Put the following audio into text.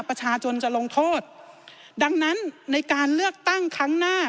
ประชาชนจะลงโทษดังนั้นในการเลือกตั้งครั้งหน้า